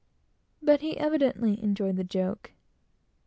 But he evidently enjoyed the joke.